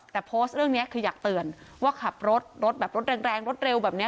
แต่โพสต์เรื่องนี้คืออยากเตือนว่าขับรถรถแบบรถแรงรถเร็วแบบนี้